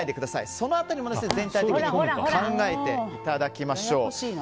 その辺りも全体的に考えていただきましょう。